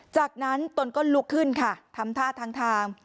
จากนั้นตนก็ลุกขึ้นค่ะทำท่าทางทาง